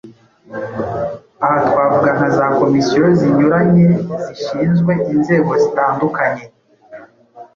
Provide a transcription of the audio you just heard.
Aha twavuga nka za komisiyo zinyuranye zishinzwe inzego zitandukanye